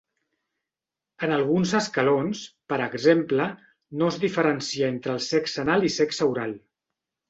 En alguns escalons, per exemple, no es diferencia entre el sexe anal i sexe oral.